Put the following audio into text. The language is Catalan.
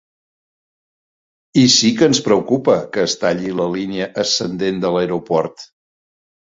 I sí que ens preocupa que es talli la línia ascendent de l’aeroport.